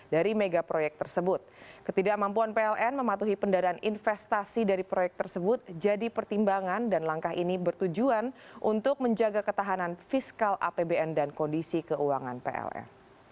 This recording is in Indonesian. dari mega proyek tersebut ketidakmampuan pln mematuhi pendanaan investasi dari proyek tersebut jadi pertimbangan dan langkah ini bertujuan untuk menjaga ketahanan fiskal apbn dan kondisi keuangan pln